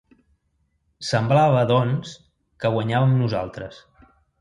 Semblava, doncs, que guanyàvem nosaltres.